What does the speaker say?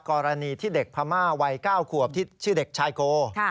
กรณีที่เด็กพม่าวัย๙ขวบที่ชื่อเด็กชายโก